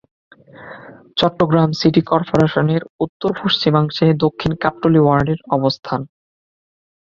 Chittagong city কর্পোরেশনের উত্তর-পশ্চিমাংশে দক্ষিণ কাট্টলী ওয়ার্ডের অবস্থান।